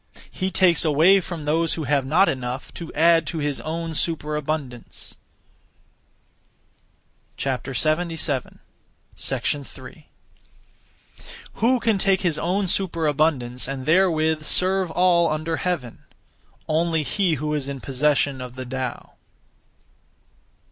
He takes away from those who have not enough to add to his own superabundance. 3. Who can take his own superabundance and therewith serve all under heaven? Only he who is in possession of the Tao!